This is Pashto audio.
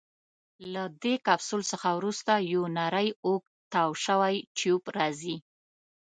له دې کپسول څخه وروسته یو نیری اوږد تاو شوی ټیوب راځي.